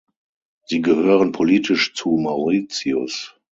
Sie gehören politisch zu Mauritius.